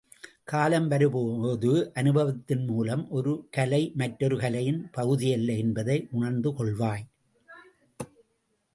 காலம் வரும்போது அனுபவத்தின் மூலம், ஒரு கலை, மற்றொரு கலையின் பகுதியல்ல என்பதை உணர்ந்து கொள்வாய்.